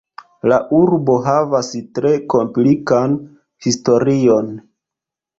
La urbo havas tre komplikan historion.